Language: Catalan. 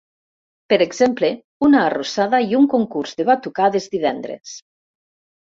Per exemple, una arrossada i un concurs de batucades divendres.